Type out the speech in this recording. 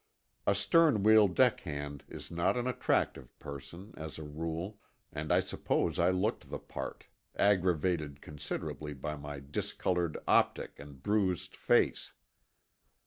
A sternwheel deckhand is not an attractive person, as a rule, and I suppose I looked the part, aggravated considerably by my discolored optic and bruised face.